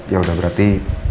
ya udah berarti